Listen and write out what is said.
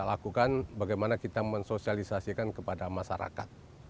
lakukan bagaimana kita mensosialisasikan kepada masyarakat